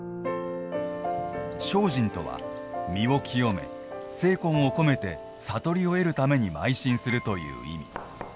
精進とは身を清め精魂を込めて悟りを得るために邁進するという意味。